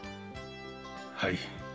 はい。